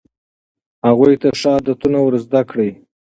هغوی ته ښه عادتونه ور زده کړئ.